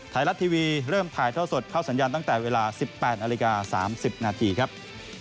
ไทยรัฐทีวีเริ่มถ่ายท่อสดเข้าสัญญาณตั้งแต่เวลา๑๘นาฬิกา๓๐นาทีครับ